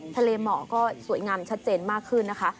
เหมาะก็สวยงามชัดเจนมากขึ้นนะคะ